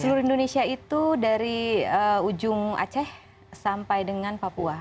seluruh indonesia itu dari ujung aceh sampai dengan papua